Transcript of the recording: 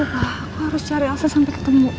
aku harus cari akses sampai ketemu